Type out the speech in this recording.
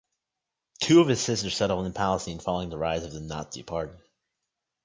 Two of his sisters settled in Palestine following the rise of the Nazi Party.